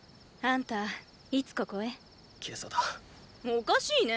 おかしいね。